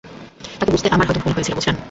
তাকে বুঝতে আমার হয়ত ভুল হয়েছিল, বুঝলেন?